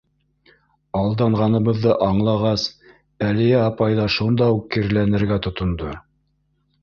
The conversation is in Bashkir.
Алданғаныбыҙҙы аңлағас, Әлиә апай ҙа шунда уҡ киреләнергә тотондо: